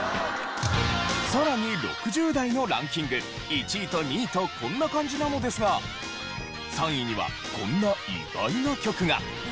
さらに６０代のランキング１位と２位とこんな感じなのですが３位にはこんな意外な曲が。